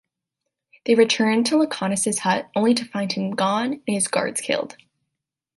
They return to Lecanus's hut only to find him gone and his guards killed.